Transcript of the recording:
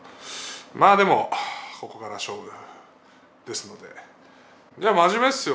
まあ、でもここから勝負ですので真面目ですよ